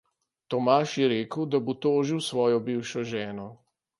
Tomaž je rekel, da bo tožil svojo bivšo ženo.